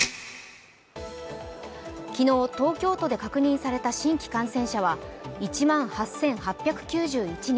昨日、東京都で確認された新規感染者は１万８８９１人。